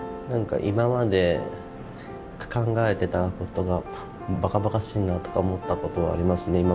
何か今まで考えていたことがばかばかしいなとか思ったことはありますね。